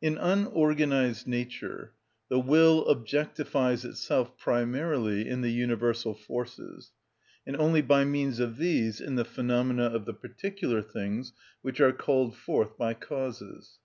In unorganised nature the will objectifies itself primarily in the universal forces, and only by means of these in the phenomena of the particular things which are called forth by causes.